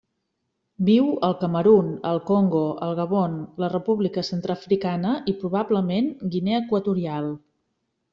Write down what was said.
Viu al Camerun, el Congo, el Gabon, la República Centreafricana i, probablement, Guinea Equatorial.